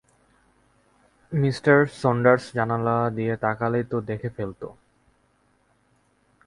Mr Saunders জানালা দিয়ে তাকালেই তো দেখে ফেলত।